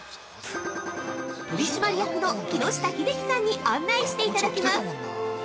取締役の木下英樹さんに案内していただきます。